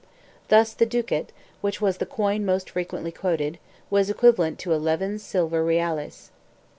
Thus the ducat, which was the coin most frequently quoted, was equivalent to 11 silver reales.